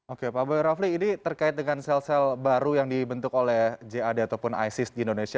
oke pak boy rafli ini terkait dengan sel sel baru yang dibentuk oleh jad ataupun isis di indonesia